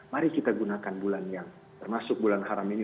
mari kita gunakan bulan yang termasuk bulan haram ini